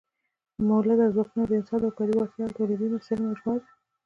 مؤلده ځواکونه د انسان د کاري وړتیا او تولیدي وسایلو مجموعه ده.